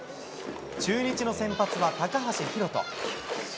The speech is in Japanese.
中日の先発は高橋宏斗。